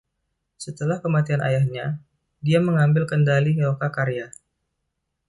Setelah kematian ayahnya, dia mengambil kendali lokakarya.